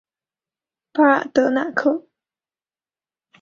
巴尔德纳克。